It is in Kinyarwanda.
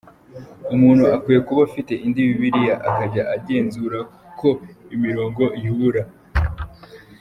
Umuntu akwiye kuba afite indi Bibiliya akajya agenzura ko imirongo ihura